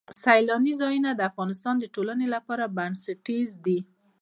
سیلاني ځایونه د افغانستان د ټولنې لپاره بنسټیز دي.